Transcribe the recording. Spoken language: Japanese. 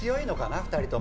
２人とも。